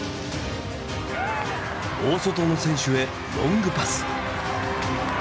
大外の選手へロングパス。